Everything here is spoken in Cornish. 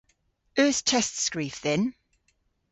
Eus testskrif dhyn?